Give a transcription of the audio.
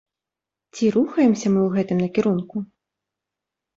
Ці рухаемся мы ў гэтым накірунку?